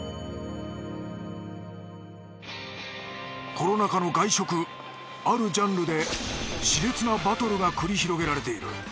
コロナ禍の外食あるジャンルで熾烈なバトルが繰り広げられている。